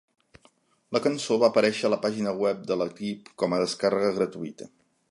La cançó va aparèixer a la pàgina web de l'equip com a descàrrega gratuïta.